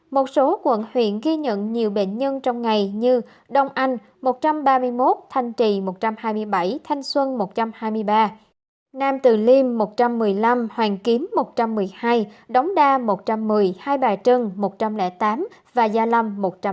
một số quận huyện ghi nhận nhiều bệnh nhân trong ngày như đông anh một trăm ba mươi một thanh trì một trăm hai mươi bảy thanh xuân một trăm hai mươi ba nam từ liêm một trăm một mươi năm hoàng kiếm một trăm một mươi hai đống đa một trăm một mươi hai bà trưng một trăm linh tám và gia lâm một trăm ba mươi